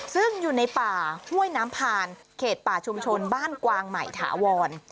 ซึ่งอยู่ในป่าห้วยน้ำพานเขตป่าชุมชนบ้านกวางใหม่ถาวร